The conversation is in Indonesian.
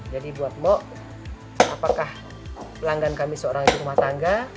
jadi buat mbak apakah pelanggan kami seorang rumah tangga